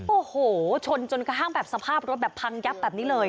โอ้โหชนจนกระทั่งแบบสภาพรถแบบพังยับแบบนี้เลย